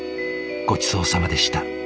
ごちそうさまでした。